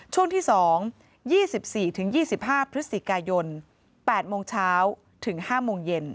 ช่วงที่๒๒๔๒๕พค๘มถึง๕ม